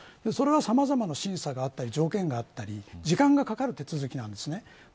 それは、さまざまな審査や条件があったり時間がかかる手続きなんです。